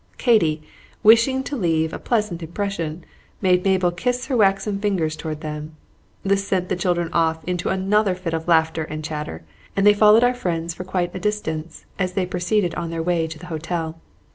Katy, wishing to leave a pleasant impression, made Mabel kiss her waxen fingers toward them. This sent the children off into another fit of laughter and chatter, and they followed our friends for quite a distance as they proceeded on their way to the hotel.